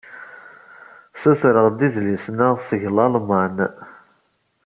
Ssutreɣ-d idlisen-a seg Lalman.